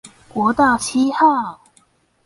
國道七號